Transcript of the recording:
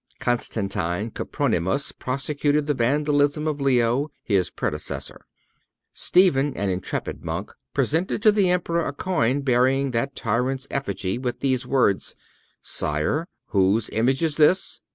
Constantine Copronymus prosecuted the vandalism of Leo, his predecessor. Stephen, an intrepid monk, presented to the Emperor a coin bearing that tyrant's effigy, with these words: "Sire, whose image is this?"